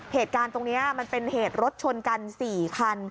เหตุการณ์ตรงนี้มันเป็นเหตุรถชนกัน๔คัน